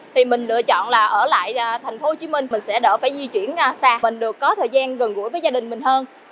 thì mình lựa chọn là ở lại thành phố hồ chí minh mình sẽ đỡ phải di chuyển xa mình được có thời gian gần gũi với gia đình mình hơn